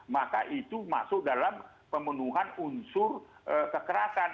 maka itu masuk dalam pemenuhan unsur kekerasan